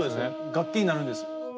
楽器になるんです。